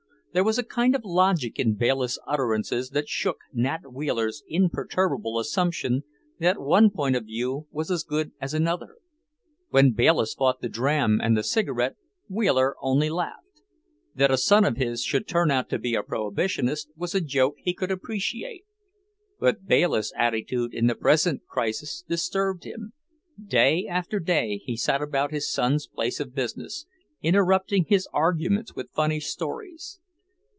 There was a kind of logic in Bayliss' utterances that shook Nat Wheeler's imperturbable assumption that one point of view was as good as another. When Bayliss fought the dram and the cigarette, Wheeler only laughed. That a son of his should turn out a Prohibitionist, was a joke he could appreciate. But Bayliss' attitude in the present crisis disturbed him. Day after day he sat about his son's place of business, interrupting his arguments with funny stories.